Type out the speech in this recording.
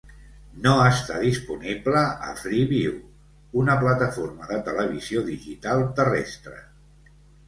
No està disponible a Freeview, una plataforma de televisió digital terrestre.